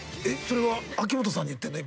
それは秋元さんに言ってんの？